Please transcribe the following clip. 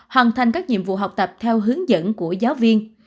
hoàn thành các nhiệm vụ học tập theo hướng dẫn của giáo viên